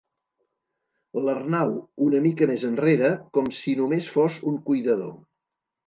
L'Arnau una mica més enrere, com si només fos un cuidador.